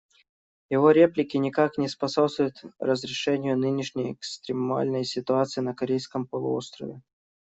Его реплики никак не способствуют разрешению нынешней экстремальной ситуации на Корейском полуострове.